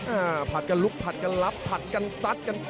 ผัดกันลุกผัดกันลับผัดกันซัดกัน